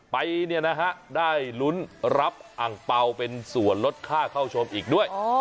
ไปเนี่ยนะฮะได้ลุ้นรับอังเปล่าเป็นส่วนลดค่าเข้าชมอีกด้วยอ๋อ